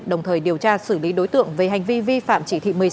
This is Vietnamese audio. đồng thời điều tra xử lý đối tượng về hành vi vi phạm chỉ thị một mươi sáu